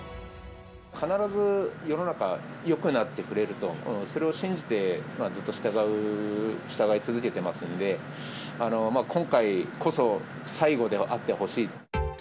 必ず世の中よくなってくれると、それを信じて、ずっと従い続けてますんで、今回こそ最後であってほしい。